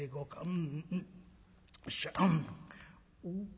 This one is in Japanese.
うんよっしゃ」。